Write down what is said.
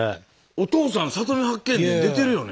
お父さん「里見八犬伝」出てるよね？